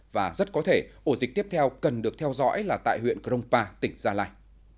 và rất có thể ổ dịch tiếp theo cần được theo dõi là tại huyện cronpa tỉnh gia lai